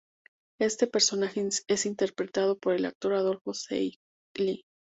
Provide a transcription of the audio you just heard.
Este personaje es interpretado por el actor Adolfo Celi.